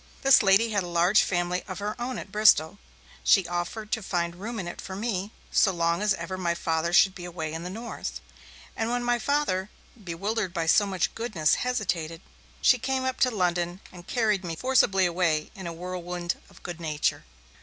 This lady had a large family of her own at Bristol; she offered to find room in it for me so long as ever my Father should be away in the north; and when my Father, bewildered by so much goodness, hesitated, she came up to London and carried me forcibly away in a whirlwind of good nature.